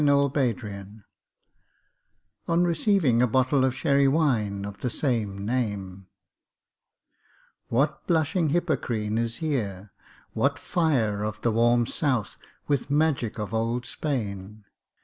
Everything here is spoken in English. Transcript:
DON QUIXOTE On receiving a bottle of Sherry Wine of the same name What "blushing Hippocrene" is here! what fire Of the "warm South" with magic of old Spain!